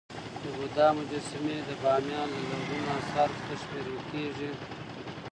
د بودا مجسمي د بامیان له لرغونو اثارو څخه شمېرل کيږي.